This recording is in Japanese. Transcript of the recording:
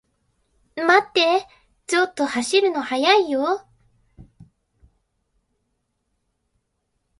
待ってー、ちょっと走るの速いよー